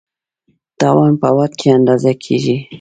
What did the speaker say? توان په واټ کې اندازه کېږي.